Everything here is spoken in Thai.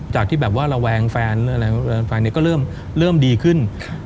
จากที่แบบว่าระแวงแฟนก็เริ่มดีขึ้น